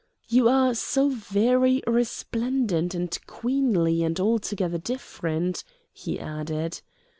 "You are so very resplendent and queenly and altogether different," he added.